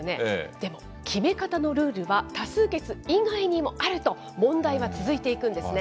でも、決め方のルールは多数決以外にもあると、問題は続いていくんですね。